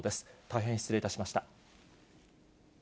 大変失礼いたしました。